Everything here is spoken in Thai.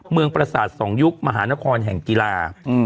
เมืองปราศาสตร์สองยุคมหานครแห่งกีฬา